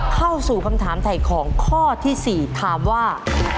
เข้าสู่คำถามถ่ายของข้อที่๔ถามว่า